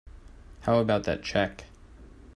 How about that check?